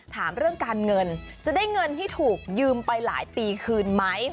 ถามเรื่องการเงินจะได้เงินที่ถูกยืมไปหลายปีคืนไหม